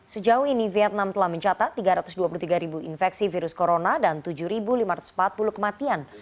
sejauh ini vietnam telah mencatat tiga ratus dua puluh tiga infeksi virus corona dan tujuh lima ratus empat puluh kematian